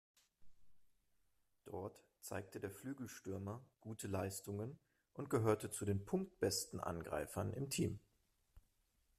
Dort zeigte der Flügelstürmer gute Leistungen und gehörte zu den punktbesten Angreifern im Team.